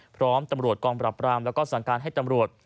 พร้อมตำรวจกองปรับรามแล้วก็สั่งการให้ตำรวจ